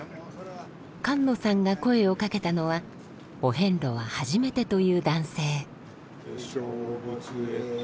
菅野さんが声をかけたのはお遍路は初めてという男性。